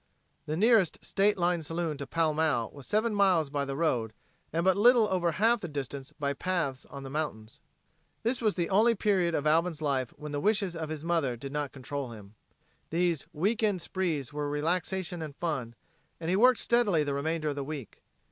The nearest state line saloon to Pall Mall was seven miles by the road and but little over half the distance by paths on the mountains. This was the only period of Alvin's life when the wishes of his mother did not control him. These week end sprees were relaxation and fun, and he worked steadily the remainder of the week.